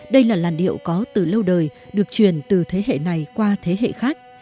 đây là làn điệu có từ lâu đời được truyền từ thế hệ này qua thế hệ khác